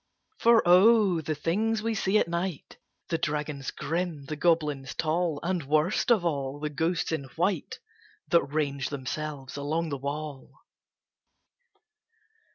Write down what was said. For O! the things we see at night The dragons grim, the goblins tall, And, worst of all, the ghosts in white That range themselves along the wall!